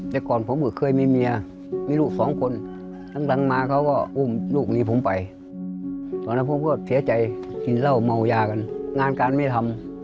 แต่ก่อนผมก็เคยมีเมียมีลูกสองคนหลังมาเขาก็อุ้มลูกหนีผมไปตอนนั้นผมก็เสียใจกินเหล้าเมายากันงานการไม่ทำ